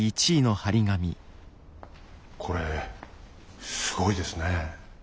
これすごいですねえ。